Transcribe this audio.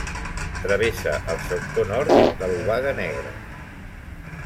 Travessa el sector nord de l'Obaga Negra.